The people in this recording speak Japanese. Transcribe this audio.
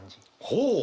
ほう。